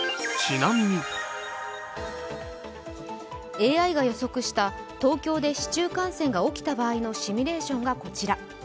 ＡＩが予測した東京で市中感染が起きた場合のシミュレーションがこちら。